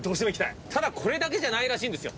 ただこれだけじゃないらしいんですよ。